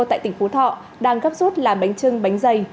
tại tỉnh phú thọ đang gấp rút làm bánh chưng bánh dày